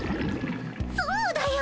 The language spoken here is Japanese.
そうだよ。